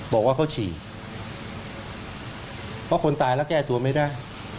บอกว่าเขาฉี่เพราะคนตายแล้วแก้ตัวไม่ได้